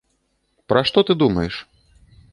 Пра што ты думаеш?